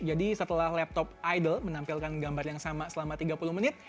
jadi setelah laptop idle menampilkan gambar yang sama selama tiga puluh menit